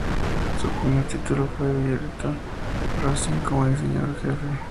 Su primer título fue "Virtua Racing" como diseñador jefe.